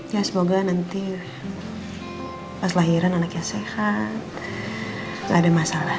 ya semoga nanti pas lahiran anaknya sehat gak ada masalah